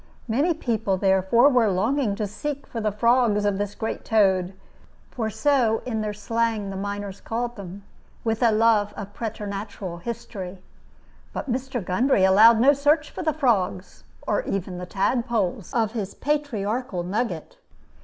Many people, therefore, were longing to seek for the frogs of this great toad; for so in their slang the miners called them, with a love of preternatural history. But Mr. Gundry allowed no search for the frogs, or even the tadpoles, of his patriarchal nugget.